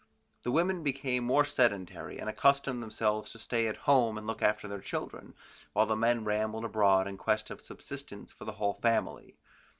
The women became more sedentary, and accustomed themselves to stay at home and look after the children, while the men rambled abroad in quest of subsistence for the whole family.